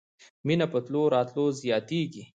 مېنه په تلو راتلو زياتېږي.